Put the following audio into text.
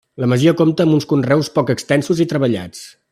La masia compta amb uns conreus poc extensos i treballats.